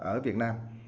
ở việt nam